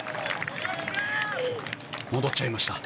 戻っちゃいました。